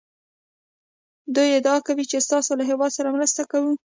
دوی ادعا کوي چې ستاسو له هېواد سره مرسته کوو